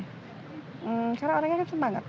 hmm karena orangnya kan semangat